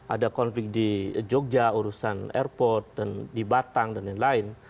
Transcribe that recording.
ada konflik di jogja urusan airport dan di batang dan lain lain